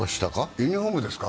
ユニフォームですか？